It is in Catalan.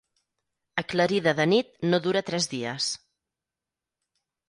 Aclarida de nit no dura tres dies.